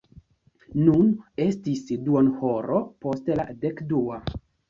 Nun estis duonhoro post la dekdua.